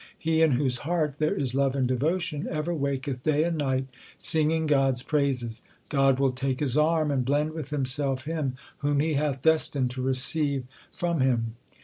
He in whose heart there is love and devotion, Ever waketh day and night singing God s praises. God will take his arm and blend with Himself him whom He hath destined to receive from Him.